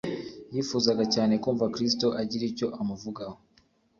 Yifuzaga cyane kumva Kristo agira icyo amuvugaho.